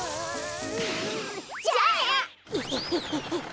じゃあな！